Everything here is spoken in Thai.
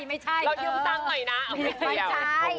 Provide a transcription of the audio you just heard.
เราเยี่ยมตั้งหน่อยนะเอาไม่เกี่ยว